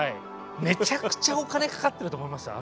めちゃくちゃお金かかってると思いますよ